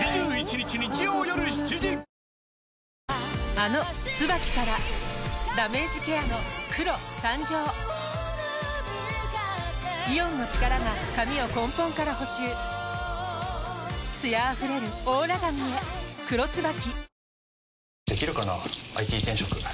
あの「ＴＳＵＢＡＫＩ」からダメージケアの黒誕生イオンの力が髪を根本から補修艶あふれるオーラ髪へ「黒ＴＳＵＢＡＫＩ」